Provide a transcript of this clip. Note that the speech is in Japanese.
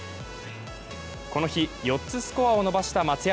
この日、４つスコアを伸ばした松山。